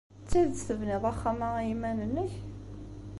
D tidet tebniḍ axxam-a i yiman-nnek?